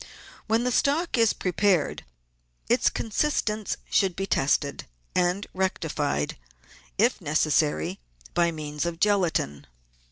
When the stock is prepared its consistence should be tested, and rectified, if necessary, by means of gelatine.